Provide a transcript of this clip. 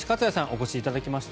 お越しいただきました。